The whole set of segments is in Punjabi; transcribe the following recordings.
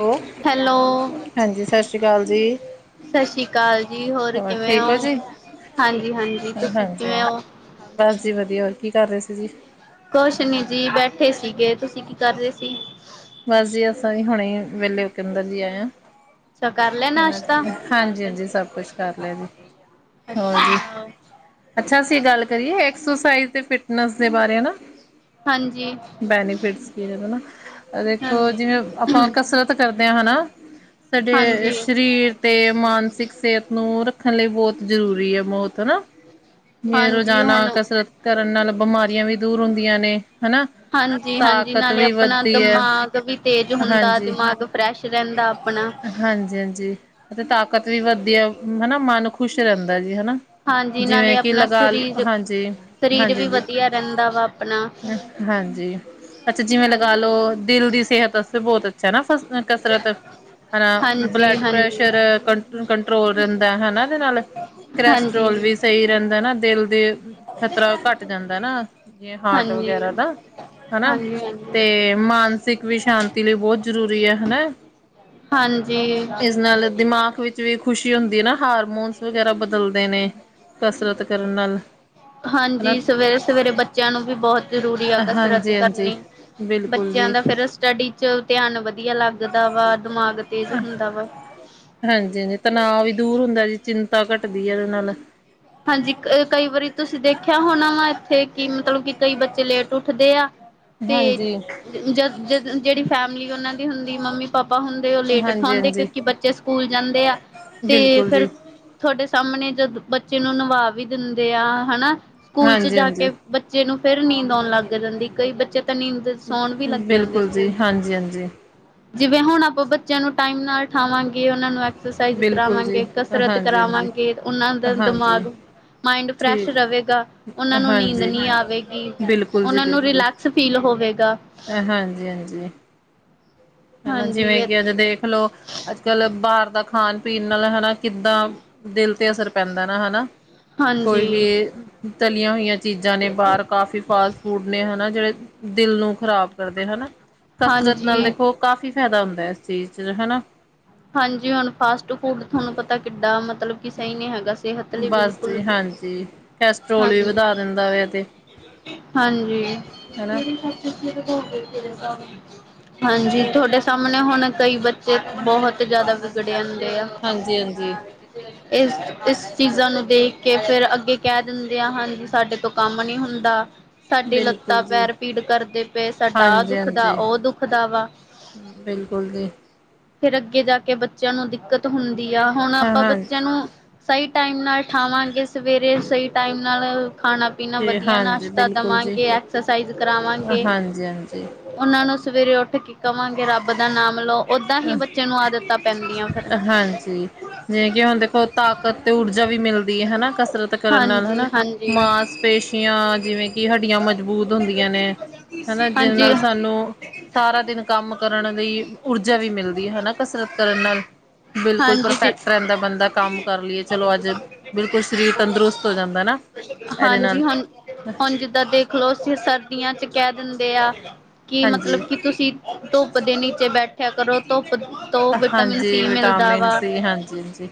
ਹੈਲ, ਹੈਲੋ ਹਾਂਜੀ ਸਤਿ ਸ਼੍ਰੀ ਕਾਲ ਜੀ। ਸ਼ਸ਼ੀਕਾਲ ਜੀ, ਹੋਰ ਕਿਵੇਂ ਠੀਕ ਔ? ਹੋ ਜੀ ਹਾਂਜੀ-ਹਾਂਜੀ, ਤੁਸੀਂ ਹਾਂਜੀ ਕਿਵੇਂ ਹਾਂ ਔ? ਬਸ ਜੀ ਵਧੀਆ, ਹੋਰ ਕੀ ਕਰ ਰਹੇ ਸੀ ਜੀ? ਕੁਛ ਨੀ ਜੀ ਬੈਠੇ ਸੀਗੇ, ਤੁਸੀਂ ਕੀ ਕਰ ਰਹੇ ਸੀ? ਬਸ ਜੀ, ਅਸਾਂ ਹੀ ਹੁਣੇ ਈ ਵੇਲੇ ਹੋਕੇ ਅੰਦਰ ਜੀ ਆਏ ਆ। ਅੱਛਾ ਕਰ ਲੇਆ ਨਾਸ਼ਤਾ? ਹਾਂਜੀ ਸਭ ਕੁਛ ਕਰ ਲਿਆ ਜੀ ਹੋਰ ਜੀ ਅੱਛਾ। ਅੱਛਾ ਅਸੀਂ ਏਹ ਗੱਲ ਕਰੀਏ? ਐਕਸਰਸਾਈਜ਼ ਤੇ ਫਿਟਨਸ ਦੇ ਬਾਰੇ ਹਨਾ। ਹਾਂਜੀ ਬੈਨੀਫਿਟਸ ਕੀ ਏ ਹਨਾ, ਦੇਖੋ ਹਾਂਜੀ ਜਿਵੇਂ ਆਪਾਂ ਕਸਰਤ ਕਰਦੇ ਹਨਾ, ਸਾਡੇ ਹਾਂਜੀ ਸ਼ਰੀਰ ਤੇ ਮਾਨਸਿਕ ਸੇਹਤ ਨੂੰ ਰੱਖਣ ਲਈ ਬਹੁਤ ਜ਼ਰੂਰੀ ਏ ਮੌਤ ਹਨਾ? ਮੇ ਹਾਂਜੀ ਰੋਜ਼ਾਨਾ ਹੁਣ ਕਸਰਤ ਕਰਨ ਨਾਲ ਬਮਾਰੀਆਂ ਵੀ ਦੂਰ ਹੁੰਦੀਆਂ ਨੇ। ਹਨਾ? ਹਾਂਜੀ ਹਾਂਜੀ ਤਾਕਤ ਨਾਲੇ ਵੀ ਵ ਆਪਣਾ ਦੀ ਏ, ਦਿਮਾਗ ਵੀ ਤੇਜ਼ ਹੁੰਦਾ ਹਾਂਜੀ, ਦਿਮਾਗ ਫਰੈਸ਼ ਰਹਿੰਦਾ ਆਪਣਾ ਹਾਂਜੀ-ਹਾਂਜੀ ਅਤੇ ਤਾਕਤ ਵੀ ਵਧੀਆ, ਹਨਾ ਮਨ ਖੁਸ਼ ਰਹਿੰਦਾ ਜੀ ਹਨਾ, ਹਾਂਜੀ ਨਾਲੇ ਜਿਵੇਂ ਕੇ ਆਪਣਾ ਲਗਾ, ਸਰੀਰ ਹਾਂਜੀ, ਸਰੀਰ ਵੀ ਹਾਂਜੀ-ਹਾਂਜੀ। ਵਧੀਆ ਰਹਿੰਦਾ ਵਾ ਆਪਣਾ ਹੂੰ ਹਾਂਜੀ, ਅੱਛਾ ਜਿਵੇਂ ਲਗਾ ਲੋ, ਹਾਂਜੀ ਦਿਲ ਦੀ ਸੇਹਤ ਆਸਤੇ ਬਹੁਤ ਅੱਛਾ ਨਾ? [unintelligible] ਕਸਰਤ। ਹਨਾ, ਬਲੱਡ ਹਾਂਜੀ ਪ੍ਰੈਸ਼ਰ ਕੰ ਕੰਟਰੋਲ ਰਹਿੰਦਾ ਏ, ਹੇਨਾ ਏਦੇ ਨਾਲ? ਹਾਂਜੀ ਹਾਂਜੀ ਕਰੇਸਟਰੋਲ ਵੀ ਸਈ ਰਹਿੰਦਾ ਏ ਹਨਾ, ਦਿਲ ਦੇ ਖ਼ਤਰਾ ਘੱਟ ਜਾਂਦਾ ਹਨਾ, ਜਿਵੇੰ ਹਾ [unintelligible] ਹਾਂਜੀ ਵਗੈਰਾ ਦਾ, ਹਨਾ, ਹਾਂਜੀ-ਹਾਂਜੀ, ਤੇ ਮਾਨਸਿਕ ਵੀ ਸ਼ਾਂਤੀ ਲਈ ਬਹੁਤ ਜ਼ਰੂ ਰੀ ਏ ਹਨੇ, ਹਾਂਜੀ। ਇਸ ਨਾਲ ਦਿਮਾਗ ਵਿੱਚ ਵੀ ਖੁਸ਼ੀ ਹੁੰਦੀ ਏ ਨਾ। ਹਾਰਮੋਨਸ ਵਗੈਰਾ ਬਦਲਦੇ ਨੇ। ਕਸਰਤ ਕਰਨ ਨਾਲ ਹਨਾ ਹਾਂਜੀ, ਸਵੇਰੇ-ਸਵੇਰੇ ਬੱਚਿਆਂ ਨੂੰ ਵੀ ਬਹੁਤ ਜ਼ਰੂਰੀ ਆ ਕਸਰਤ ਹਾਂਜੀ ਹਾਂਜੀ ਕਰਨੀ। ਬਿਲਕੁਲ ਬੱਚਿਆਂ ਜੀ। ਦਾ ਫਿਰ ਸਟੱਡੀ ਚ ਧਿਆਨ ਵਧੀਆ ਲੱਗਦਾ ਵਾ ਦਿਮਾਗ ਤੇਜ਼ ਹੁੰਦਾ ਵਾ। ਹਾਂਜੀ-ਹਾਂਜੀ, ਤਣਾਅ ਵੀ ਦੂਰ ਹੁੰਦਾ ਜੀ। ਚਿੰਤਾ ਘੱਟਦੀ ਏ ਏਦੇ ਨਾਲ। ਹਾਂਜੀ, ਅਹ ਕਈ ਵਾਰੀ ਤੁਸੀਂ ਦੇਖਿਆ ਹੋਣਾ ਵਾ ਇੱਥੇ ਕਿ ਮਤਲਬ ਕਿ ਕਈ ਬੱਚੇ ਲੇਟ ਉੱਠਦੇ ਆ। ਤੇ ਹਾਂਜੀ ਜ ਜਦ ਜੇਹੜੀ ਫੈਮਿਲੀ ਉਹਨਾਂ ਦੀ ਹੁੰਦੀ, ਮੰਮੀ ਪਾ ਪਾ ਹੁੰਦੇ ਉਹ ਲੇਟ ਹਾਂਜੀ ਉਠਾਉਂਦੇ, ਹਾਂਜੀ ਕਿਉਂਕਿ ਬੱਚੇ ਸਕੂਲ ਜਾਂਦੇ ਆ, ਤੇ ਬਿਲਕੁਲ ਫਿਰ ਜੀ ਤੁਹਾਡੇ ਸਾਹਮਣੇ ਜਦ ਬੱਚੇ ਨੂੰ ਨੂੰਵਾ ਵੀ ਦਿੰਦੇ ਆ ਹੈਣਾ। ਸਕੂਲ ਚ ਹਾਂਜੀ ਜਾ ਕੇ ਹਾਂਜੀ ਬੱਚੇ ਨੂੰ ਫਿਰ ਨੀਂਦ ਆਉਣ ਲੱਗ ਜਾਂਦੀ ਕਈ। ਬੱਚੇ ਤਾਂ ਨੀਂਦ ਸੌਣ ਵੀ ਲੱਗ ਜਾਂਦੇ ਬਿਲਕੁਲ ਜੀ ਸਕੂਲ। ਹਾਂਜੀ ਹਾਂਜੀ ਜਿਵੇਂ ਹੁਣ ਆਪਾਂ ਬੱਚਿਆਂ ਨੂੰ ਟਾਈਮ ਨਾਲ ਉਠਾਵਾਂਗੇ। ਉਹਨਾਂ ਨੂੰ ਐਕਸਰਸਾਈਜ਼ ਬਿਲਕੁਲ ਜੀ ਕਰਾਵਾਂਗੇ ਕਸਰਤ ਹਾਂਜੀ ਹਾਂਜੀ ਕਰਾਵਾਂਗੇ ਉਹਨਾਂ ਦਾ ਹਾਂਜੀ ਦਿਮਾਗ। ਮਾਇੰਡ ਫਰੈਸ਼ ਠੀਕ ਰਵੇਗਾ ਉਹਨਾਂ ਨੂੰ ਨੀਂਦ ਹਾਂਜੀ ਨਹੀਂ ਆਵੇਗੀ ਉਹਨਾਂ ਨੂੰ ਰਿਲੈਕਸ ਫੀਲ ਹੋਵੇਗਾ। ਹਾਂਜੀ--ਹਾਂਜੀ ਹੈਣਾ ਹਾਂਜੀ ਜਿਵੇਂ ਕਿ ਅੱਜ ਦੇਖਲੋ ਅੱਜ ਕੱਲ ਬਾਹਰ। ਦਾ ਖਾਣ ਪੀਣ ਨਾਲ ਹੈਨਾ ਕਿੱਦਾਂ ਦਿਲ ਤੇ ਅਸਰ ਪੈਂਦਾ ਨਾ ਹੈਣਾ। ਕੋਈ ਵੀ ਹਾਂਜੀ ਤਲੀਆਂ ਹੋਈਆਂ ਚੀਜ਼ਾਂ ਨੇ ਬਾਹਰ ਕਾਫੀ ਫਾਸਟ ਫੂਡ ਨੇ ਹੈਣਾ। ਜਿਹੜੇ ਦਿਲ ਨੂੰ ਖ਼ਰਾਬ ਕਰਦੇ ਹੈਨਾ ਕਸਰਤ ਨਾਲ ਹਾਂਜੀ ਦੇਖੋ। ਕਾਫ਼ੀ ਫਾਇਦਾ ਹੁੰਦਾ ਇਸ ਚੀਜ਼ ਦਾ ਹੈਨਾ। ਹਾਂਜੀ ਹੁਣ ਫਾਸਟ ਫੂਡ ਤੁਹਾਨੂੰ ਪਤਾ ਕਿੱਡਾ ਮਤਲਬ ਕਿ ਸਹੀ ਨਹੀਂ ਹੈਗਾ ਸਿਹਤ ਲਈ ਬਸ ਬਿਲਕੁਲ ਜੀ ਵੀ ਹਾਂਜੀ ਕੈਸਟਰੋਲ ਵੀ ਹਾਂਜੀ ਵਧਾ ਦਿੰਦਾ ਵੇ ਐ ਤੇ। ਹਾਂਜੀ ਹਨਾ [unintelligible] ਹਾਂਜੀ ਤੁਹਾਡੇ ਸਾਹਮਣੇ ਹੁਣ ਕਈ ਬੱਚੇ ਬਹੁਤ [unintelligible] ਹਾਂਜੀ ਹਾਂਜੀ ਇਸ ਇਸ ਚੀਜ਼ਾਂ ਨੂੰ ਦੇਖ ਕੇ ਫੇਰ ਅੱਗੇ ਕਹਿ ਦਿੰਦੇ ਆ ਹਾਂਜੀ ਸਾਡੇ ਤੋਂ ਕੰਮ ਨੀ ਹੁੰਦਾ ਸਾਡੀ ਲੱਤਾਂ ਬਿਲਕੁਲ ਜੀ ਪੈਰ ਪੀੜ ਕਰਦੇ ਪਏ ਸਾਡਾ ਆਹ ਹਾਂਜੀ ਦੁਖਦਾ ਹਾਂਜੀ ਉਹ ਦੁਖਦਾ ਵਾ ਬਿਲਕੁਲ ਜੀ ਫਿਰ ਅੱਗੇ ਜਾ ਕੇ ਬੱਚਿਆਂ ਨੂੰ ਦਿੱਕਤ ਹੁੰਦੀ ਆ ਹੁਣ ਹਾਂ ਆਪਾਂ ਹਾਂ ਬੱਚਿਆਂ ਨੂੰ ਸਹੀ ਟਾਈਮ ਨਾਲ ਉਠਾਵਾਂਗੇ ਸਵੇਰੇ ਸਹੀ ਟਾਈਮ ਨਾਲ ਖਾਣਾ ਪੀਣਾ ਜੀ ਵਧੀਆ ਹਾਂਜੀ ਨਾਸ਼ਤਾ ਬਿਲਕੁਲ ਜੀ ਦਵਾਂਗੇ ਐਕਸਰਸਾਈਜ਼ ਕਰਾਵਾਂਗੇ ਹਾਂਜੀ ਹਾਂਜੀ ਉਹਨਾਂ ਨੂੰ ਸਵੇਰੇ ਉੱਠ ਕੇ ਕਵਾਂਗੇ ਰੱਬ ਦਾ ਨਾਮ ਲਓ ਓਦਾਂ ਹੀ ਬ ਹਾਂਜੀ ਜਿਵੇਂ ਕਿ ਹੁਣ ਦੇਖੋ ਤਾਕਤ ਤੇ ਊਰਜਾ ਵੀ ਮਿਲਦੀ ਹੈ ਹੈਨਾ ਕਸਰਤ ਕਰਨ ਨਾਲ ਹਾਂਜੀ ਹੈਣਾ ਹਾਂਜੀ ਮਾਸਪੇਸ਼ੀਆਂ ਜਿਵੇਂ ਕਿ ਹੱਡੀਆਂ ਮਜ਼ਬੂਤ ਹੁੰਦੀਆਂ ਨੇ ਹੈਣਾ ਜਿਦੇ ਹਾਂਜੀ। ਨਾਲ ਤਾਨੂੰ ਸਾਰਾ ਦਿਨ ਕੰਮ ਕਰਨ ਦੀ ਊਰਜਾ ਵੀ ਮਿਲਦੀ ਹੈਨਾ ਕਸਰਤ ਕਰਨ ਨਾਲ ਬਿਲਕੁਲ ਹਾਂਜੀ ਜੀ ਪਰਫੈਕਟ ਰਹਿੰਦਾ ਬੰਦਾ ਕੰਮ ਕਰ ਲਈਏ ਚਲੋ ਅੱਜ ਬਿਲਕੁਲ ਸਰੀਰ ਤੰਦਰੁਸਤ ਹੋ ਜਾਂਦਾ ਨਾ ਇਹਦੇ ਨਾਲ ਹਾਂਜੀ ਹੁਣ -ਹੁਣ ਜਿੱਦਾਂ ਦੇਖਲਓ ਅਸੀਂ ਸਰਦੀਆਂ ਚ ਕਹਿ ਦਿੰਦੇ ਆ ਕਿ ਹਾਂਜੀ ਮਤਲਬ ਕਿ ਤੁਸੀਂ ਧੁੱਪ ਦੇ ਨੀਚੇ ਬੈਠਿਆ ਕਰੋ ਧੁੱਪ ਤੋਂ ਵਿਟਾਮਿਨ ਹਾਂਜੀ ਸੀ ਮਿਲਦਾ ਵਿਟਾਮਿਨ ਵਾ ਸੀ ਹਾਂਜੀ ਹਾਂਜੀ।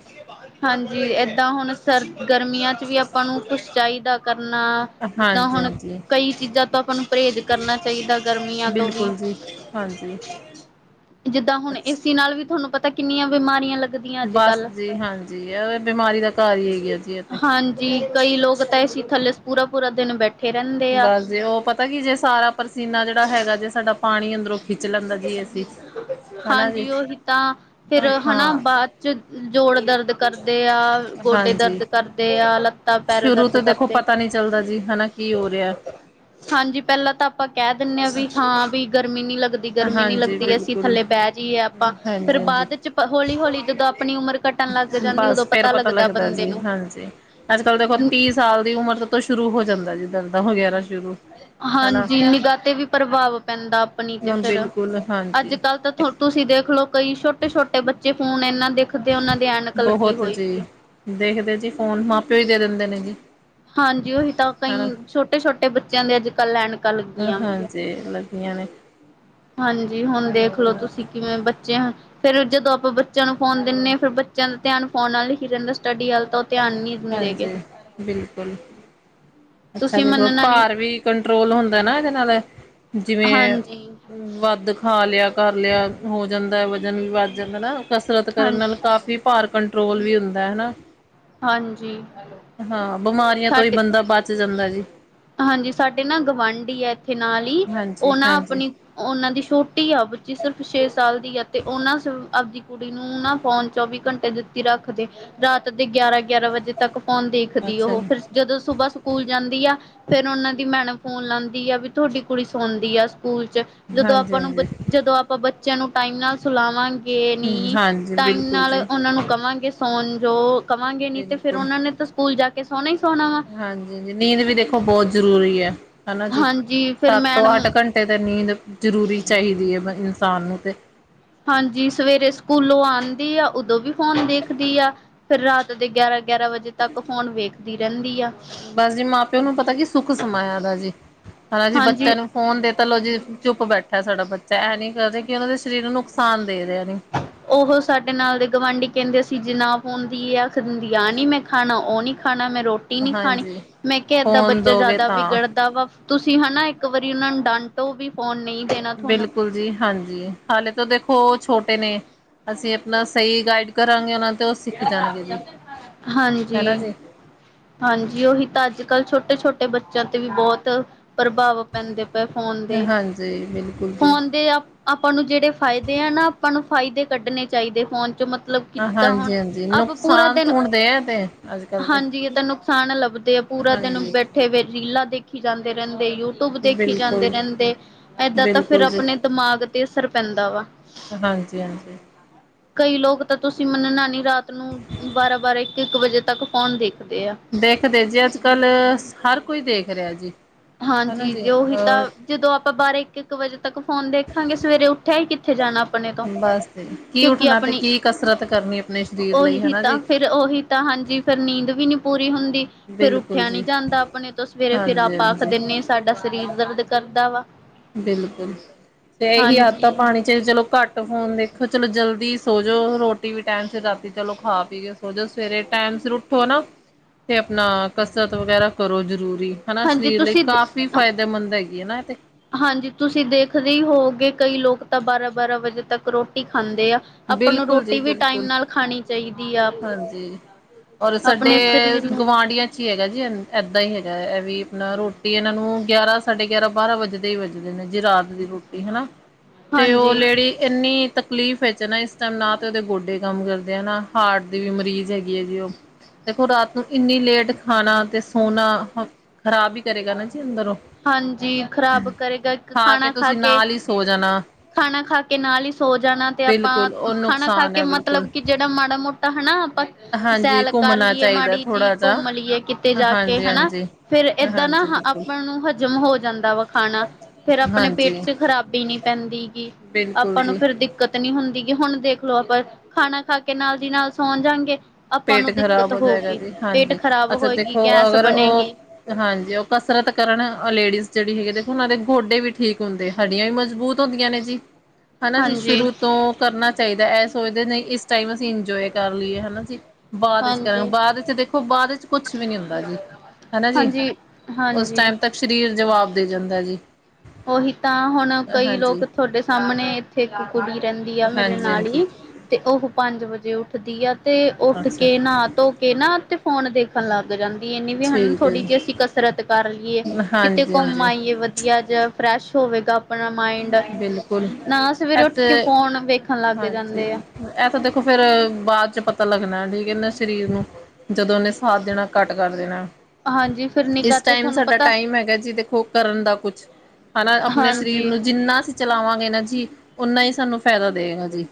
ਹਾਂਜੀ ਏਦਾਂ ਹੁਣ ਸਰ ਗਰਮੀਆਂ ਚ ਵੀ ਆਪਾਂ ਨੂੰ ਕੁਛ ਚਾਹੀਦਾ ਕਰ [unintelligible] ਜਿੱਦਾਂ ਹਾਂਜੀ ਹੁਣ ਹਾਂਜੀ ਕਈ ਚੀਜ਼ਾਂ ਤਾ ਪਰਹੇਜ਼ ਕਰਨਾ ਚਾਹੀਦਾ ਗਰਮੀਆਂ ਤੋਂ ਵੀ ਬਿਲਕੁਲ ਜੀ ਹਾਂਜੀ ਜਿੱਦਾਂ ਹੁਣ ਅੱਛਾ। ਏਸੀ ਨਾਲ ਵੀ ਤੁਹਾਨੂੰ ਪਤਾ ਕਿੰਨੀਆਂ ਬਿਮਾਰੀਆਂ ਲੱਗ ਬਸ ਜੀ ਹਾਂਜੀ ਆ ਤੇ ਬਿਮਾਰੀ ਦਾ ਘਰ ਹੀ ਹੈ ਗਿਆ ਸੀ ਇਹ ਤੇ ਹਾਂਜੀ ਕਈ ਲੋਗ ਤਾਂ ਏਸੀ ਥੱਲੇ ਪੂਰਾ -ਪੂਰਾ ਦਿਨ ਬੈਠ ਬਸ ਜੀ ਉਹ ਪਤਾ ਕੀ ਜੇ ਸਾਰਾ ਪਰਸੀਨਾ ਜਿਹੜਾ ਹੈਗਾ ਜੇ ਸਾਡਾ ਪਾਣੀ ਅੰਦਰੋਂ ਖਿੱਚ ਲੈਂਦਾ ਜੀ ਅਸੀਂ ਹਨਾ ਜੀ ਹਾਂਜੀ ਉਹੀ ਤਾਂ ਫੇਰ ਹੈਣਾ ਹਾਂ ਬਾਦ ਚ ਜੋੜ ਦਰਦ ਕਰਦੇ ਆ ਗੋਡੇ ਹਾਂਜੀ ਦਰਦ ਕਰਦੇ ਆ ਲੱ ਪੈਰ ਸ਼ੁਰੂ ਦਰਦ ਤੋਂ ਦੇਖੋ ਕਰਤੇ ਪਤਾ ਨੀ ਚੱਲਦਾ ਜੀ ਹਨਾ ਕੀ ਹੋ ਰਿਹਾ ਹਾਂਜੀ ਪਹਿਲਾਂ ਤਾਂ ਆਪਾਂ ਕਹਿ ਦਿਨੇ ਆ ਵੀ ਹਾਂ ਵੀ ਗਰਮੀ ਨੀ ਲੱਗਦੀ ਗਰਮੀ ਨੀ ਹਾਂਜੀ ਲੱਗਦੀ ਅਸੀਂ ਬਿਲਕੁਲ ਥੱਲੇ ਬਹਿ ਜਾਈਏ ਆਪਾਂ ਫੇਰ ਹਾਂਜੀ ਹਾਂਜੀ ਬਾਦ ਚ ਹੌਲੀ -ਹੌਲੀ ਜਦੋਂ ਆਪਣੀ ਕਟਣ ਲੱਗ ਜਾਂਦੀ ਉਦੋਂ ਬਸ ਫੇਰ ਪਤਾ ਲੱਗਦਾ ਬੰਦੇ ਜੀ ਨੂੰ ਹਾਂਜੀ ਅੱਜ ਕੱਲ ਦੇਖੋ ਤੀਹ ਸਾਲ ਦੀ ਉਮਰ ਤੋਂ ਸ਼ੁਰੂ ਹੋ ਜਾਂਦਾ ਜੀ ਦਰਦ [unintelligible] ਹਾਂਜੀ ਨਿਗਾਹ ਤੇ ਵੀ ਪ੍ਰਭਾਵ ਪੈਂਦਾ ਆਪਣੀ ਤੇ ਫੇਰ ਬਿਲਕੁਲ ਅੱਜ ਹਾਂਜੀ ਕੱਲ ਤਾਂ ਤੁਸੀਂ ਦੇਖਲੋ ਕਈ ਛੋਟੇ -ਛੋਟੇ ਬੱਚੇ ਫੋਨ ਇਹਨਾਂ ਬਹੁਤ ਜੀ ਦੇਖਦੇ ਜੀ ਫੋਨ ਮਾ ਪਿਓ ਹੀ ਦੇ ਦਿੰਦੇ ਨੇ ਜੀ ਹਾਂਜੀ ਉਹੀ ਤਾਂ ਕਈ ਹਨਾ ਛੋਟੇ- ਛੋਟੇ ਬੱਚਿਆਂ ਦੇ ਅੱਜ ਕੱਲ ਐਣਕਾ ਲੱਗੀਆਂ ਵੀ ਹੈ। ਹਾਂਜੀ ਲੱਗੀਆਂ ਨੇ ਹਾਂਜੀ ਹੁਣ ਦੇਖਲੋ ਤੁਸੀਂ ਕਿਵੇਂ ਬੱਚੇ ਹਨ ਫਿਰ ਜਦੋਂ ਆਪਾਂ ਬੱਚਿਆਂ ਨੂੰ ਫੋਨ ਦਿੰਦੇ ਹਾਂ ਫਿਰ ਬੱਚਿਆਂ ਦਾ ਧਿਆਨ ਫੋਨ ਨਾਲ ਹੀ ਰਹਿੰਦਾ। ਸਟੱਡੀ ਵੱਲ ਤਾਂ ਉਹ ਧਿਆਨ ਨਹੀਂ ਦਿੰਦੇ ਗੇ। ਹਾਂਜੀ ਬਿਲਕੁਲ ਅੱਛਾ ਤੁਸੀਂ ਦੇਖਲ ਮੰਨਣਾ ਨੀ ਭਾਰ ਵੀ ਕੰਟਰੋਲ ਹੁੰਦਾ ਨਾ ਇਹਦੇ ਨਾਲ ਜਿਵੇਂ ਹਾਂਜੀ ਵੱਧ ਖਾ ਲਿਆ ਕਰ ਲਿਆ ਹੋ ਜਾਂਦਾ ਵਜ਼ਨ ਵੀ ਵੱਧ ਜਾਂਦਾ ਨਾ ਕਸਰਤ ਹਾਂ ਕਰਨ ਨਾਲ ਕਾਫ਼ੀ ਭਾਰ ਕੰਟਰੋਲ ਵੀ ਹੁੰਦਾ ਹੈਨਾ। ਹਾਂਜੀ ਹਾਂ ਬਿਮਾਰੀਆਂ ਤੋਂ ਹੀ ਸਾਡੇ ਬੰਦਾ ਬਚ ਜਾਂਦਾ ਜੀ। ਹਾਂਜੀ ਸਾਡੇ ਨਾ ਗਵਾਂਢੀ ਹੈ ਇੱਥੇ ਨਾਲ ਹੀ ਹਾਂਜੀ ਉਹ ਨਾ ਹਾਂਜੀ ਆਪਣੀ ਉਹਨਾਂ ਦੀ ਛੋਟ ਟੀ ਆ ਬੱਚੀ ਸਿਰਫ ਛੇ ਸਾਲ ਦੀ ਆ ਤੇ ਉਹਨਾਂ ਆਪਦੀ ਕੁੜੀ ਨੂੰ ਫੋਨ ਚੌਵੀ ਘੰਟੇ ਦਿੱਤੀ ਰ ਰੱਖਦੇ ਰਾਤ ਦੇ ਗਿਆਰਾਂ- ਗਿਆਰਾਂ ਵਜੇ ਤੱਕ ਕੌਣ ਦੇਖਦੀ ਅੱਛਾ ਉਹ ਜੀ ਫਿਰ ਜਦੋਂ ਸੁਬਾਹ ਸਕੂਲ ਜਾਂਦੀ ਆ। ਫੇਰ ਉਹਨਾਂ ਦੀ ਮੈਣ ਫੋਨ ਲਾਉਂਦੀ ਆ ਵੀ ਤੁਹਾਡੀ ਕੁੜੀ ਸੌਣਦੀ ਆ। ਸਕੂਲ 'ਚ ਜਦੋਂ ਹਾਂਜੀ ਆਪਾਂ ਨੂੰ ਹਾਂਜੀ ਜਦੋਂ ਆਪਾਂ ਬੱਚਿਆਂ ਨੂੰ ਟਾਈਮ ਨਾਲ ਸੁਲਾਵਾਂ ਕਿ ਨਹੀਂ ਹਾਂਜੀ ਟਾਈਮ ਬਿਲਕੁਲ ਨਾਲ ਜੀ ਉਹਨਾਂ ਨੂੰ ਕਵਾਂਗੇ ਸੋਨ ਜੋ ਕਵਾਂਗੇ ਨ ਤੇ ਫਿਰ ਬਿਲਕੁਲ ਉਹਨਾ ਨੇ ਤਾਂ ਸਕੂਲ ਜਾ ਕੇ ਸੋਣਾ ਹਾਂਜੀ ਨੀਂਦ ਵੀ ਦੇਖੋ ਬਹੁਤ ਜ਼ਰੂਰੀ ਐ। ਹਨਾ ਜੀ ਹਾਂਜੀ ਫਿਰ ਸੱਤ ਤੋਂ ਮੈਡਮ ਅੱਠ ਘੰਟੇ ਤੇ ਨੀਂਦ ਜ਼ਰੂਰੀ ਚਾਹੀਦੀ ਹੈ ਬ ਸਾਨ ਨੂੰ ਤੇ ਹਾਂਜੀ ਸਵੇਰੇ ਸਕੂਲੋਂ ਆਂਦੀ ਆ ਉਦੋਂ ਵੀ ਫੋਨ ਦੇਖਦੀ ਆ ਫਿਰ ਰਾਤ ਦੇ ਗਿਆਰਾਂ ਗਿਆਰਾਂ ਵਜੇ ਤੱਕ ਹੋੁਣ ਵੇਖਦੀ ਰਹਿੰਦੀ ਆ ਬਸ ਜੀ ਮਾਂ ਪਿਓ ਨੂੰ ਪਤਾ ਕੀ ਸੁੱਖ ਸਮਾਇਆ ਦਾ ਜੀ ਹਨਾ ਜੀ ਬੱਚਿਆਂ ਹਾਂਜੀ ਨੂੰ ਫੋਨ ਦੇ ਤਾਂ ਲੋਓ ਜੀ। ਚੁੱਪ ਬੈਠਾ ਸਾਡਾ ਬੱਚਾ ਇਹ ਨੀ ਕਰਦਾ ਕਿ ਉਹਨਾਂ ਦੇ ਸਰੀਰ ਨੂੰ ਨੁਕਸਾਨ ਦੇ ਰਿਹਾ ਨੇ ਉਹ ਸਾਡੇ ਨਾਲ ਦੇ ਗਵਾਂਢੀ ਕਹਿੰਦੇ ਚੀਜ਼ ਨਾ ਪਾਉਂਦੀ ਆ ਖਦੀ ਆ ਨੀ ਮੈਂ ਖਾਣਾ ਉਹ ਨਹੀਂ ਖਾਣਾ ਮੈਂ ਰੋਟੀ ਨਹੀਂ ਖਾਣੀ ਹਾਂਜੀ ਮੈਂ ਕਿਹਾ ਏਦਾਂ ਫੋਨ ਬੱਚਾ ਦੋਗੇ ਜ਼ਿਆਦਾ ਤਾਂ ਵਿਗੜਦਾ ਵਾ ਤੁਸੀਂ ਹਨਾ। ਇੱਕ ਵਾਰੀ ਉਹਨਾਂ ਨੂੰ ਡੰਟੋ ਵੀ ਫੋਨ ਨਹੀਂ ਦੇਣਾ ਤੁਹਾਨੂੰ ਬਿਲਕੁਲ ਜੀ ਹਾਂਜੀ ਹਾਲੇ ਤੋਂ ਦੇਖੋ ਛੋਟ ਨੇ ਅਸੀਂ ਆਪਣਾ ਸਹੀ ਗਾਈਡ ਕਰਾਂਗੇ ਉਹਨਾਂ ਤੇ ਉਹ ਸਿੱਖ ਜਾਣਗੇ ਜੀ ਹਨਾ ਹਾਂਜੀ- ਜੀ ਹਾਂਜੀ ਉਹੀ ਤਾਂ ਅੱਜ ਕੱਲ ਛੋਟੇ ਛੋਟੇ ਛੋਟੇ ਬੱਚਿਆਂ ਤੇ ਵੀ ਬਹੁਤ ਪ੍ਰਭਾਵ ਪੈਂਦੇ। ਫੋਨ ਦੇ ਹਾਂਜੀ ਬਿਲਕੁਲ ਜੀ ਫੋਨ ਦੇ ਆ ਆਪਾਂ ਨੂੰ ਜਿਹੜੇ ਫਾਇਦੇ ਆ ਨਾ ਆਪਾਂ ਨੂੰ ਫਾਇਦੇ ਕੱਢਣੇ ਚਾਹੀਦੇ ਫੋਨ ਚ ਮਤਲਬ ਕਿਦਾਂ ਹੁਣ ਹਾਂਜੀ ਹਾਂਜੀ ਆਪਾਂ ਪੂਰਾ ਨੁਕਸਾਨ ਦਿਨ ਢੂੰਡਦੇ ਆ ਤੇ ਅੱਜ ਕੱਲ ਤੇ ਹਾਂਜੀ ਇਹ ਤਾਂ ਨੁਕਸਾਨ ਲੱਭਦੇ ਆ ਪੂਰਾ ਦਿਨ ਹਾਂਜੀ ਬੈਠੇ ਵਠੀਏ ਰ ਦੇਖੀ ਜਾਂਦੇ ਰਹਿੰਦੇ ਯੂਟਿਊਬ ਦੇਖੀ ਜਾਂਦੇ ਬਿਲਕੁਲ ਰਹਿੰਦੇ ਏਦਾਂ ਤਾਂ ਫੇਰ ਬਿਲਕੁਲ ਜੀ ਆਪਣੇ ਦਿਮਾਗ ਤੇ ਅਸਰ ਪੈਂਦਾ ਵਾ। ਹਾਂਜੀ -ਹਾਂਜੀ ਕਈ ਲੋਕ ਤਾਂ ਤੁਸੀਂ ਮੰਨਣਾ ਨਹੀਂ ਰਾਤ ਨੂੰ ਬਾਰਾਂ -ਬਾਰਾਂ ਇੱਕ- ਇੱਕ ਵਜੇ ਤੱਕ ਫੋਨ ਦੇਖ ਦੇਖਦੇ ਜੀ ਅੱਜ ਕੱਲ ਹਰ ਕੋਈ ਦੇਖ ਰਿਹਾ ਜੀ। ਹਨਾ ਹਾਂਜੀ ਜੀ ਜੇ ਉਹੀ ਤਾਂ ਅ ਜਦੋਂ ਆਪਾਂ ਬਾਰਾਂ ਇੱਕ- ਇੱਕ ਵਜੇ ਤੱਕ ਫ਼ੋਨ ਦੇਖਾਂਗੇ ਸਵੇਰੇ ਉੱਠਿਆ ਹੀ ਕਿੱਥੇ ਜਾਣਾ ਆਪਣੇ ਤੋਂ ਬਸ ਜੀ ਕੀ ਕਿਉਂਕਿ ਉੱਠਣਾ ਤੇ ਆਪਣੀ ਕੀ ਕਸਰਤ ਕਰਨੀ ਆਪਣੇ ਸਰੀਰ ਲਈ ਉਹੀ ਹਨਾ ਤਾਂ ਜੀ ਫਿਰ ਉਹੀ ਤਾਂ ਹਾਂਜੀ ਫਿਰ ਨੀਂਦ ਵੀ ਨੀ ਪੂਰੀ ਹੁੰਦੀ ਫਿਰ ਬਿਲਕੁਲ ਉੱਠਿਆ ਨੀ ਜੀ ਜਾਂਦਾ ਆਪਣੇ ਤੋਂ ਸਵੇਰੇ ਫਿਰ ਆਪ ਹਾਂਜੀ ਪਾੱਖ ਹਾਂਜੀ ਦਿੰੇ [unintelligible] ਸਾਡਾ ਸਰੀਰ ਦਰਦ ਕਰਦਾ ਵਾ। ਬਿਲਕੁਲ ਤੇ ਇਹੀ ਆਧਾ ਹਾਂਜੀ ਪਾਣੀ 'ਚ ਚਲੋ ਘੱਟ ਫੋਨ ਦੇਖੋ ਚਲੋ ਜਲਦੀ ਸੋਜੋ ਰੋਟੀ ਵੀ ਟਾਈਮ ਸ ਰਾਤੀ ਚਲੋ ਖਾ ਪੀ ਕੇ ਸੋ ਜੋ ਸਵੇਰੇ ਟਾਈਮ ਫਿਰ ਉੱਠੋ ਨਾ ਤੇ ਆਪਣਾ ਕਸਰਤ ਵਗੈਰਾ ਕਰੋ ਜ਼ਰੂਰ ਹਨਾ ਹਾਂਜੀ ਸਰੀਰ ਲਈ ਤੁਸੀਂ ਕਾਫ਼ੀ ਫਾਇਦੇਮੰਦ ਹੈਗੀ ਹਨਾ ਇਹ ਤੇ ਹਾਂਜੀ, ਤੁਸੀਂ ਦੇਖਦੇ ਹੀ ਹੋਵੋਗੇ, ਕਈ ਲੋਕ ਤਾਂ ਬਾਰਾਂ ਬਾਰਾਂ ਵਜੇ ਤੱਕ ਰੋਟੀ ਖ ਖਾਂਦੇ ਆ, ਆਪਾਂ ਨੂੰ ਬਿਲਕੁਲ ਜੀ ਰੋਟੀ ਵੀ ਟਾਈਮ, ਬਿਲਕੁਲ ਨਾਲ ਖਾਣੀ ਚਾਹੀਦੀ। ਆ ਹਾਂਜੀ? ਔਰ, ਸਾਡੇ ਆਪਣੇ ਸਰੀਰ ਨੂੰ ਗੁਵਢੀਆਂ, ਚ ਹੀ ਹੈਗਾ ਜੀ ਏਦਾਂ ਹੀ ਹੈਗਾ ਇਹ ਵੀ ਨਾ ਰੋਟੀ ਇਹਨਾਂ ਨੂੰ ਗਿਆਰਾਂ, ਸਾਢੇ ਗਿਆਰਾਂ, ਬਾਰਾਂ, ਵੱਜਦੇ ਹੀ ਵੱਜਦੇ ਨੇ ਜੇ ਰਾਤ ਦੀ ਰੋਟੀ ਹਨਾ। ਤੇ ਉਹ ਹਾਂਜੀ ਲੇਡੀ, ਇੰਨੀ ਤਕਲੀਫ਼ ਵਿੱਚ, ਨਾ ਇਸ ਟਾਈਮ ਨਾ ਤੇ ਉਹਦੇ ਗੋਡੇ, ਕੰਮ ਕਰਦੇ ਆ ਨਾ। ਹਾਰਟ, ਦੀ ਵੀ ਮਰੀਜ਼ ਹੈਗੀ, ਹੈ ਜੀ ਉਹ? ਦੇਖੋ, ਰਾਤ ਨੂੰ ਇੰਨੀ ਲੇਟ ਖਾਣਾ, ਤੇ ਸੌਣਾ, ਖਰਾਬ ਹੀ ਕਰੇਗਾ ਨਾ ਜੀ ਅੰਦਰੋਂ। ਹਾਂਜੀ, ਖ਼ਰਾਬ ਕਰੇਗਾ, ਇੱਕ ਖਾਣਾ ਖਾ ਤੁਸੀਂ ਕੇ? ਨਾਲ ਹੀ ਸੋ ਜਾਣਾ ਖਾਣਾ ਖਾ ਕੇ, ਨਾਲ ਹੀ ਸੋ ਜਾਣਾ, ਤੇ ਆਪਾਂ ਬਿਲਕੁਲ ਉਹ ਖਾਣਾ ਖਾ ਨੁਕਸਾਨ ਕੇ ਹੈ ਬਿਲਕੁਲ ਮਤਲਬ ਕਿ, ਜਿਹੜਾ ਮਾੜਾ ਮੋਟਾ ਤਾਂ, ਣਾ ਆਪਾਂ ਹਾਂਜੀ ਸੈਰ ਕਰ ਘੁੰਮਣਾ ਲਈਏ ਚਾਹੀਦਾ ਮਾੜੀ ਜੀ, ਥੋੜ੍ਹਾ ਜਿਹਾ ਘੁੰਮ ਲਈਏ ਕਿਤੇ ਜਾ ਕੇ, ਹਾਂਜੀ ਹਨਾ ਹਾਂਜੀ ਫੇਰ ਇ ਨਿੱਬੂ ਦਾ ਹਾਂਜੀ ਪੀਨਾ ਬਿਲਕੁਲ ਆਪਾਂ ਨੂੰ ਹਜ਼ਮ ਹੋ ਜਾਂਦਾ ਵਾ। ਖਾਣਾ ਫੇਰ, ਆਪਣੇ ਪੇਟ ਹਾਂਜੀ 'ਚ ਖ਼ਰਾਬੀ ਨੀ ਪੈਂਦੀਗੀ, ਬਿਲਕੁਲ ਆਪਾਂ ਨੂੰ ਜੀ ਫੇਰ ਦਿੱਕਤ ਨੀ ਹੁੰਦੀ। ਕਿ ਹੁਣ ਦੇਖਲੋ, ਆਪਾਂ ਖਾਣਾ ਖਾ ਕੇ ਨਾਲ ਦੀ ਨਾਲ ਸੌਣ ਜਾਣਗੇ। ਪੇਟ ਖ਼ਰਾਬ ਹੋ ਜਾਏਗਾ ਜੀ, ਹਾਂਜੀ। ਖ਼ਰਾਬ ਅੱਛਾ ਹੋਏਗੀ ਦੇਖੋ ਗੈਸ ਅਗਰ ਉਹ ਬਣੇਗੀ ਹਾਂਜੀ ਉਹ? ਕਸਰਤ ਕਰਨ ਆ ਲੇਡੀਜ਼ ਜਿਹੜੀ ਹੈਗੀ, ਉਹ ਦੇ ਗੋਡੇ ਵੀ ਠੀਕ ਹੁੰਦੇ, ਹੱਡੀਆਂ ਵੀ ਮਜ਼ਬੂਤ ਹੁੰਦੀਆਂ ਨੇ ਜੀ। ਹਨਾ ਜੀ ਹਾਂਜੀ ਸ਼ੁਰੂ ਤੋਂ ਕਰਨਾ ਚਾਹੀਦਾ ਹੈ। ਇਹ ਸੋਚਦੇ ਨੇ ਇਸ ਟਾਈਮ ਅਸੀਂ ਇੰਜੋਏ ਕਰ ਲਈਏ ਹਨਾ ਜੀ। ਬਾਅਦ ਚ ਕਰੋ ਹਾਂਜੀ ਬਾਅਦ ਵਿੱਚ ਦੇਖੋ, ਬਾਅਦ ਵਿੱਚ ਕੁਛ ਵੀ ਨੀ ਹੁੰਦਾ ਜੀ, ਹਨਾ ਜੀ। ਹਾਂਜੀ ਉਸ ਹਾਂਜੀ ਟਾਈਮ ਤੱਕ ਸ, ਰੀਰ ਜਵਾਬ ਦੇ ਜਾਂਦਾ ਜੀ। ਉਹੀ ਤਾਂ, ਹੁਣ ਕਈ ਲੋਕ ਹਾਂਜੀ ਤੁਹਾਡੇ ਸਾਹਮਣੇ, ਇੱਥੇ ਕੁੜੀਆਂ? ਰਹਿੰਦੀ, ਆ ਮੇਰੇ ਹਾਂਜੀ ਨਾਲ ਹਾਂਜੀ ਈ, ਤੇ ਉਹ ਪੰਜ ਵਜੇ, ਉੱਠਦੀ ਆ। ਤੇ ਉੱਠ ਅੱਛਾ ਕੇ, ਨਹਾ ਧੋ ਕੇ, ਨਾ ਤੇ ਫੋਨ ਦੇਖਣ ਲੱਗ ਜਾਂਦੀ। ਇਹ ਨਹੀਂ ਵੀ ਹਨਾ ਠੀਕ ਹੈ ਥੋੜ੍ਹੀ, ਜੀ ਜਿਹੀ ਅਸੀਂ ਕਸਰਤ ਕਰ ਲਈਏ, ਕਿਤੇ ਹਾਂਜੀ ਘੁੰਮ ਹਾਂਜੀ ਆਈਏ ਵਧੀਆ ਜਾਂ। ਕੁਛ ਹੋਵੇਗਾ? ਆਪਣਾ ਮਈਂਡ, ਬਿਲਕੁਲ ਨਾ ਸਵੇਰੇ ਉੱਠ ਕਂ ਅਤੇ ਫ਼ੋਨ ਵੇਖਣ, ਲਗ ਹਾਂਜੀ ਜਾਂਦੇ ਆ। ਇਹ ਤਾਂ ਦੇਖੋ ਫੇਰ, ਬਾਅਦ 'ਚ ਪਤਾ ਲੱਗਣਾ, ਜੀ ਏਨਾ ਸਰੀਰ ਨੂ ਜਦੋਂ ਉਹਨੇ, ਸਾਥ ਦੇਣਾ ਘੱਟ ਕਰ ਦੇਣਾ। ਹਾਂਜੀ ਫਿਰ ਨਿੱਘਾ ਇਸ ਤੇ ਟਾਈਮ, ਤੁਹਾਨੂੰ ਸਾਡਾ ਪਤਾ ਟਾਈਮ, ਹੈਗਾ ਦੇਖੋ ਕੁੱਛ ਕਰਨ ਦਾ। ਹਨਾ, ਆਪਣੇ ਸਰੀਰ ਹਾਂਜੀ ਨੂੰ ਜਿੰਨਾ ਅਸੀਂ, ਚਲਾਵਾਂਗੇ ਨਾ ਜੀ, ਓਨਾ ਹੀ ਸਾਨੂੰ ਫਾਇਦਾ ਦੇਵੇਗਾ ਜੀ।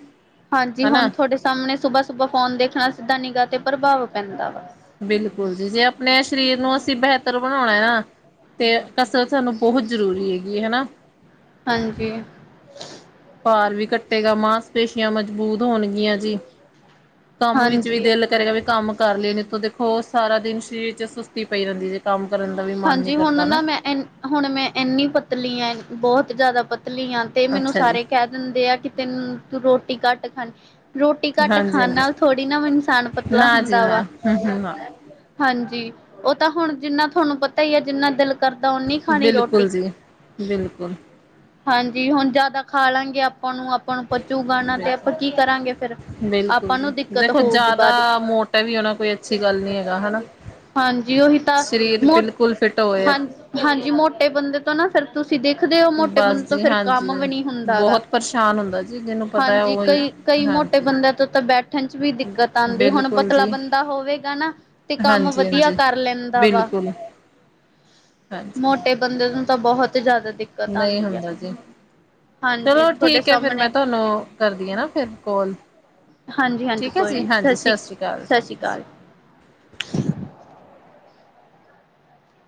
ਹਾਂਜੀ, ਹੁਣ ਹਨਾ ਤੁਹਾਡੇ ਸਾਹਮਣੇ ਸੁਬਾਹ ਸੁਬਾਹ ਫੋਨ ਦੇਖਣਾ ਸਿੱਧਾ, ਨਿਗਾਹ ਤੇ ਪ੍ਰਭਾਵ ਪੈਂਦਾ ਵਾ। ਬਿਲਕੁਲ ਜੀ, ਜੇ ਆਪਣੇ ਸਰੀਰ ਨੂੰ ਅਸੀਂ ਬੇਹਤ੍ਰ ਬਣਾਉਣਾ ਹੈ ਨਾ? ਤੇ ਕਸਰਤ ਸਾਨੂੰ, ਬਹੁਤ ਜ਼ਰੂਰੀ ਹੈਗੀ ਹਨਾ। ਹਾਂਜੀ। ਭਾਰ ਵੀ ਘੱਟੇਗਾ, ਮਾਸਪੇਸ਼ੀਆਂ ਮਜਬੂਤ ਹੋਣਗੀਆਂ ਜੀ? ਕੰਮ ਵਿੱਚ ਵੀ ਹਾਂਜੀ ਦਿਲ ਕਰੇਗਾ, ਵੀ ਕੰਮ। ਕਰ ਲਇਆ, ਦੇਖੋ ਦੇਖੋ ਉਹ ਸਾਰਾ ਦਿਨ ਸਰੀਰ 'ਚ ਸੁਸਤੀ ਪਈ ਰਹਿੰਦੀ ਜੀ ਕੰਮ। ਕਰਨ ਦਾ ਵੀ ਮਨ ਨਹੀਂ ਹਾਂਜੀ, ਕਰਦਾ ਹੁਣ ਨਾ ਮੈਂ, ਹੁਣ ਮੈਂ ਇੰਨੀ ਪਤਲੀ ਆ, ਬਹੁਤ ਜ਼ਿਆਦਾ ਪਤਲੀ। ਪਤਲੀ ਆ ਤੇ, ਮੈਨੂੰ ਅੱਛਾ ਜੀ ਸਾਰੇ ਕਹਿ ਦਿੰਦੇ ਆ ਕਿ ਤੈਨੂੰ ਤੂੰ ਰੋਟੀ ਘੱਟ ਖਾਣੀ ਰੋਟੀ ਘੱਟ ਹਾਂਜੀ ਖਾਣ ਨਾਲ ਹਾਂਜੀ ਥੋੜੀ ਨਾ ਇਨਸਾਨ, ਪਤਲਾ ਨਾ ਜੀ ਹੁੰਦਾ ਵਾ ਨਾ ਹੂੰ ਹੂੰ ਨਾ ਹਾਂਜੀ। ਜੀ ਉਹ ਤਾਂ ਹੁਣ ਜਿੰਨਾ ਤੁਹਾਨੂੰ ਪਤਾ ਹੀ ਆ, ਜਿੰਨਾ ਦਿਲ ਜਿਨਾਂ ਜੀ, ਕਰਦਾ ਓਨੀ ਖਾਣੀ ਰੋਟੀ। ਬਿਲਕੁਲ ਜੀ ਬਿਲਕੁਲ ਹਾਂਜੀ, ਹੁਣ ਜਿਆਦਾ ਖਾ ਲਾਂ ਗੇ, ਆਪਾਂ ਨੂੰ, ਆਪਾਂ ਨੂੰ ਪਚੂਗਾ, ਤੇ ਬਿਲਕੁਲ ਆਪਾਂ ਕੀ ਕਰਾਂਗੇ ਫੇਰ। ਬਿਲਕੁਲ ਜੀ, ਦੇਖੋ ਜ਼ਿਆਦਾ ਮੋਟੇ ਵੀ ਹੋਣਾ, ਕੋਈ ਅੱਛੀ, ਗੱਲ ਨੀ ਹੈਗਾ ਹਨਾ। ਹਾਂਜੀ, ਉਹੀ ਤਾਂ ਸਰੀਰ ਮੋਟੇ ਬਿਲਕੁਲ ਫਿੱਟ ਹੋਏ ਹਾਂਜੀ, ਹਾਂਜੀ ਮੋਟੇ ਬੰਦੇ ਤੋਂ ਨਾ ਫਿਰ ਤੁਸੀਂ। ਤੁਸੀਂ ਦੇਖਦੇ ਹੋ ਮੋਟੇ ਬਸ ਬੰਦੇ ਤੋਂ ਜੀ ਫੇਰ ਹਾਂਜੀ ਕੰਮ ਵੀ ਨਹੀਂ ਹੁੰਦਾ ਗਾ ਬਹੁਤ ਪਰੇਸ਼ਾਨ ਹੁੰਦਾ ਜੀ ਜਿਹਨੂੰ ਪਤਾ ਹੈ ਹਾਂਜੀ ਉਹੀ ਕਈ। [inaudible] ਕਈ ਮੋਟੇ ਹਾਂਜੀ ਬੰਦਿਆਂ ਤੋਂ ਤਾਂ ਬੈਠਣ 'ਚ ਵੀ ਦਿੱਕਤ, ਆਉਂਦੀ। ਹੁਣ ਬਿਲਕੁਲ ਪਤਲਾ ਜੀ ਬੰਦਾ ਹੋਵੇਗਾ ਨਾ ਤੇ ਕੰਮ ਹਾਂਜੀ ਵਧੀਆ, ਹਾਂਜੀ ਕਰ ਲੈਂਦਾ ਵਾ ਬਿਲਕੁਲ ਹਾਂਜੀ ਮੋਟੇ ਬੰਦੇ ਨੂੰ, ਤਾਂ ਬਹੁਤ ਤੇ ਜਿਆਦਾ ਦਿੱਕਤ ਨਹੀਂ ਆਉਂਦੀ ਹੈ? ਹੁੰਦਾ ਜੀ ਚਲੋ ਠੀਕ ਹੈ, ਫੇਰ ਮੈਂ ਤੁਹਾਨੂੰ ਕਰਦੀ ਹਾਂ ਨਾ ਫਿਰ ਕੋਲ। ਹਾਂਜ--ਹਾਂਜੀ ਠੀਕ ਹੈ ਕੋਈ ਜੀ ਨੀ, ਸਤਿ ਹਾਂਜੀ ਸ੍ਰੀ, ਸ਼੍ਰੀ ਅਕਾਲ ਸਤਿ ਸ੍ਰੀ ਜੀ ਅਕਾਲ।